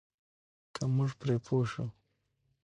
که موږ پرې پوه شو.